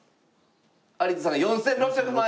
有田さんが４６００万円。